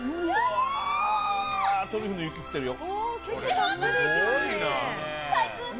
トリュフの雪降ってるよ。